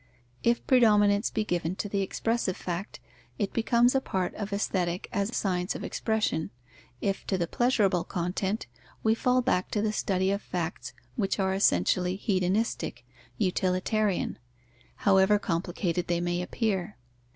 If predominance be given to the expressive fact, it becomes a part of Aesthetic as science of expression; if to the pleasurable content, we fall back to the study of facts which are essentially hedonistic (utilitarian), however complicated they may appear.